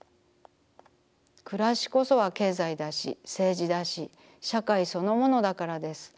くらしこそは経済だし政治だし社会そのものだからです。